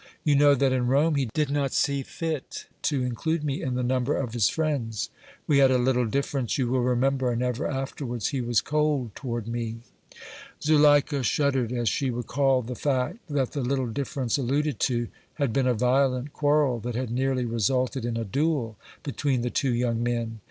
You know that in Rome he did not see fit to include me in the number of his friends. We had a little difference, you will remember, and ever afterwards he was cold toward me." Zuleika shuddered as she recalled the fact that the little difference alluded to had been a violent quarrel that had nearly resulted in a duel between the two young men.